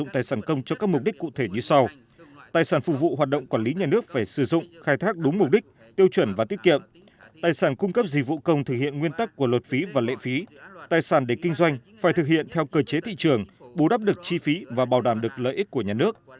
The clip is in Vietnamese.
tài sản công phục vụ hoạt động quản lý nhà nước phải sử dụng khai thác đúng mục đích tiêu chuẩn và tiết kiệm tài sản cung cấp dịch vụ công thực hiện nguyên tắc của luật phí và lệ phí tài sản để kinh doanh phải thực hiện theo cơ chế thị trường bù đắp được chi phí và bảo đảm được lợi ích của nhà nước